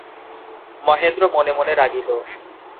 মহেন্দ্র মনে মনে রাগিল।